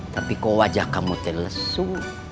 tapi kok wajah kamu te lesu